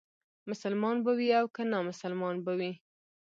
مسلمان به وي او که نامسلمان به وي.